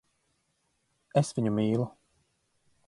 Es viņu mīlu.